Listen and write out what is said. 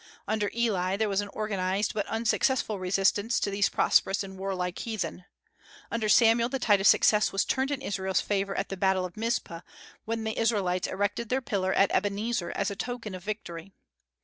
Under Eli there was an organized but unsuccessful resistance to these prosperous and warlike heathen. Under Samuel the tide of success was turned in Israel's favor at the battle of Mizpeh, when the Israelites erected their pillar at Ebenezer as a token of victory.